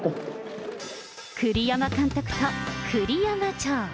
栗山監督と栗山町。